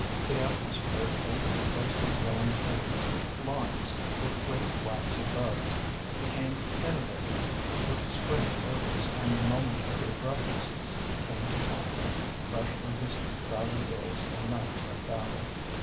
The atmosphere beneath the closely growing trees limes, with great waxy buds became enervating with spring odours and a momentary breathlessness came to Tallente, fresh from his crowded days and nights of battle.